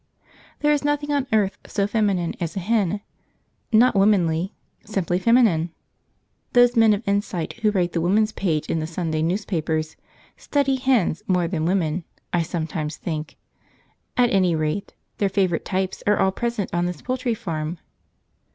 There is nothing on earth so feminine as a hen not womanly, simply feminine. Those men of insight who write the Woman's Page in the Sunday newspapers study hens more than women, I sometimes think; at any rate, their favourite types are all present on this poultry farm.